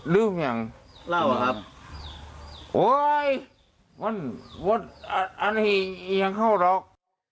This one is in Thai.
ลืมอย่างเล่าหรอครับโอ้ยอันนี้อย่างเข้าหรอก